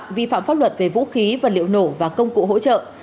tội phạm vi phạm pháp luật về vũ khí vật liệu nổ và công cụ hỗ trợ